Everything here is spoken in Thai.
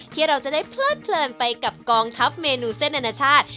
ที่เราจะได้เพลิดเพลินไปกับกองทัพเมนูเส้นอนาชาติ